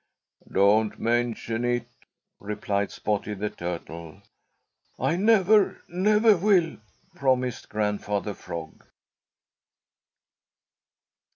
"Don't mention it," replied Spotty the Turtle. "I never, never will," promised Grandfather Frog.